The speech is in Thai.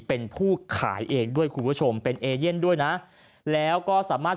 เป็นผู้ขายเองด้วยคุณผู้ชมเป็นเอเย่นด้วยนะแล้วก็สามารถ